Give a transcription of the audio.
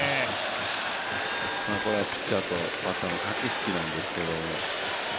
これはピッチャーとバッターの駆け引きなんですけど。